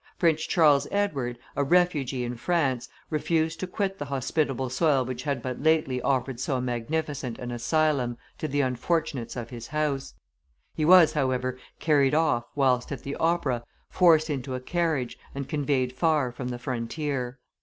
Prince Charles Edward, a refugee in France, refused to quit the hospitable soil which had but lately offered so magnificent an asylum to the unfortunates of his house: he was, however, carried off, whilst at the Opera, forced into a carriage, and conveyed far from the frontier.